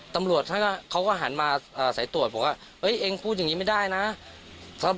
ตำรวจเขาก็หันมาใส่ตรวจผมก็เอ้ยเองพูดอย่างนี้ไม่ได้นะ